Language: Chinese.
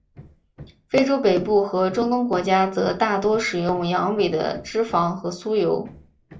非洲北部和中东国家则大多使用羊尾的脂肪和酥油。